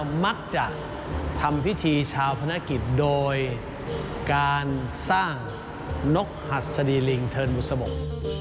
มักจะทำพิธีชาวพนักกิจโดยการสร้างนกหัสดีลิงเทินบุษบก